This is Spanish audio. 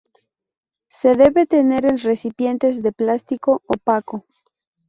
Se debe tener en recipientes de plástico opaco.